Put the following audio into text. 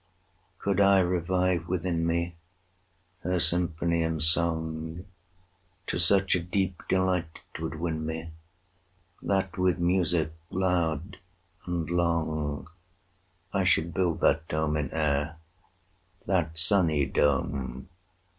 Could I revive within me Her symphony and song, To such a deep delight 'twould win me, That with music loud and long, 45 I would build that dome in air, That sunny dome!